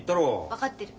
分かってる。